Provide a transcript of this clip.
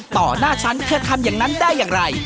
หน้าฉันเธอทำอย่างนั้นได้อย่างไร